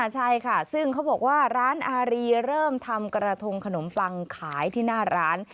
ใช่ค่ะซึ่งเขาบอกว่าร้านอารีเริ่มทำกระทงขนมปังขายที่หน้าร้าน